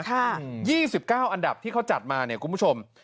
ค่ะยี่สิบเก้าอันดับที่เขาจัดมาเนี่ยคุณผู้ชม